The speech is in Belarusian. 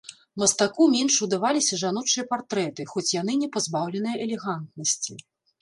Мастаку менш удаваліся жаночыя партрэты, хоць яны не пазбаўленыя элегантнасці.